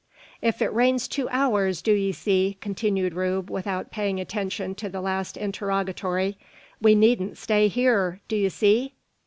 "If it rains two hours, do 'ee see," continued Rube, without paying attention to the last interrogatory, "we needn't stay hyur, do 'ee see?"